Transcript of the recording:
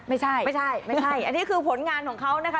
ไม่ใช่ไม่ใช่อันนี้คือผลงานของเขานะคะ